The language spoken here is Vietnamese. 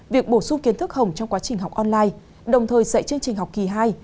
việc bổ sung kiến thức hồng trong quá trình học online đồng thời dạy chương trình học kỳ hai